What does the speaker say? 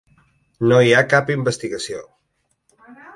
I no hi ha cap investigació.